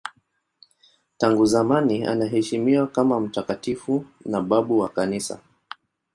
Tangu zamani anaheshimiwa kama mtakatifu na babu wa Kanisa.